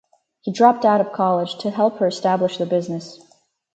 He dropped out of college to help her establish the business.